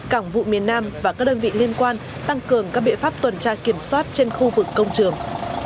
cảng vụ miền nam và các đơn vị liên quan tăng cường các biện pháp tuần tra kiểm soát trên khu vực công trường